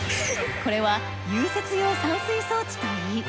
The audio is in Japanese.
これは融雪用散水装置といい。